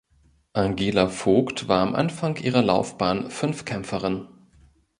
Angela Voigt war am Anfang ihrer Laufbahn Fünfkämpferin.